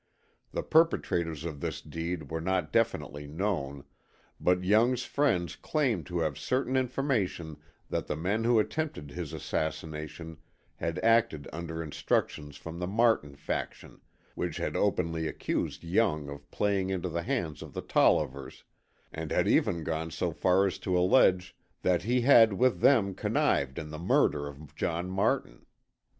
The perpetrators of this deed were not definitely known, but Young's friends claimed to have certain information that the men who attempted his assassination had acted under instructions from the Martin faction, which had openly accused Young of playing into the hands of the Tollivers, and had even gone so far as to allege that he had with them connived in the murder of John Martin.